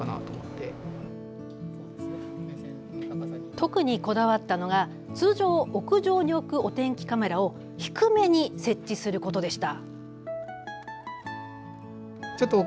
特にこだわったのが通常、屋上に置くお天気カメラを低めに設置することでした。